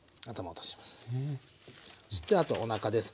そしてあとおなかですね。